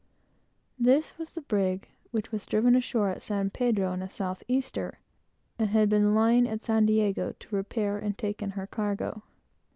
This was the brig which was driven ashore at San Pedro in a south easter, and had been lying at San Diego to repair and take in her cargo.